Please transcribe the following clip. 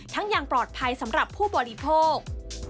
อย่างปลอดภัยสำหรับผู้บริโภค